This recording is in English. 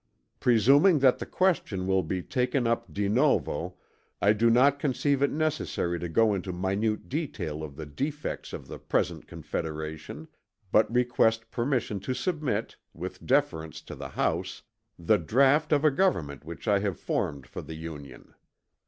"Presuming that the question will be taken up de novo, I do not conceive it necessary to go into minute detail of the defects of the present confederation, but request permission to submit, with deference to the House, the draught of a government which I have formed for the Union.